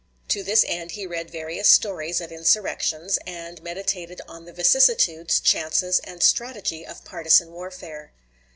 To this end he read various stories of insurrections, and meditated on the vicissitudes, chances, and strategy of partisan warfare.